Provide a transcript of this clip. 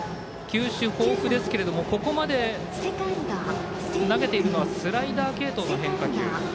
球種豊富ですけれどもこれまで投げているのはスライダー系統の変化球。